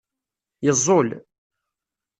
Yeẓẓul.